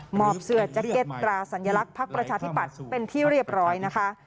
อบเสื้อแจ็คเก็ตตราสัญลักษณ์พักประชาธิปัตย์เป็นที่เรียบร้อยนะคะ